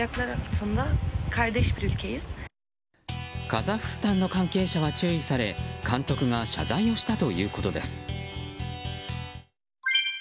カザフスタンの関係者は注意され監督が謝罪をしたということです。